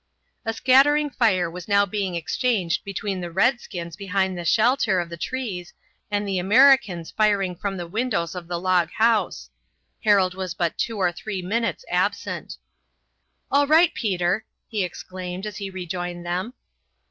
A scattering fire was now being exchanged between the redskins behind the shelter of the trees and the Americans firing from the windows of the log house. Harold was but two or three minutes absent. "All right, Peter!" he exclaimed, as he rejoined them.